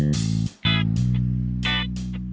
aku mau panggil nama atu